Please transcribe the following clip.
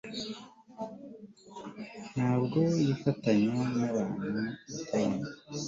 ntabwo nifatanya nabantu nka tom